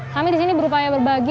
kami di sini berupaya berbagi